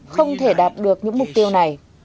không thể đạt được những mục tiêu này